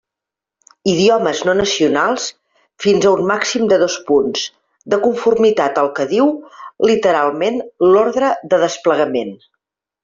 Idiomes no nacionals, fins a un màxim de dos punts, de conformitat al que diu, literalment, l'orde de desplegament.